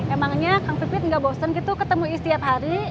emangnya kang pipit gak bosan gitu ketemu iis tiap hari